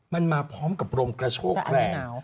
มันมาพร้อมกับลมกระโชกแรง